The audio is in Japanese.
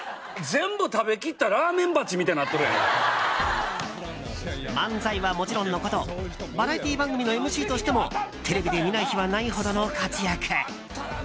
全部食べ切ったラーメン鉢みたいに漫才はもちろんのことバラエティー番組のＭＣとしてもテレビで見ない日はないほどの活躍。